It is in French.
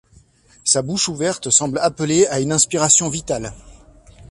Sa bouche ouverte semble appeler à une inspiration vitale.